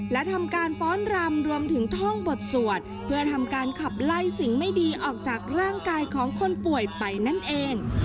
และทำการฟ้อนรำรวมถึงท่องบทสวดเพื่อทำการขับไล่สิ่งไม่ดีออกจากร่างกายของคนป่วยไปนั่นเอง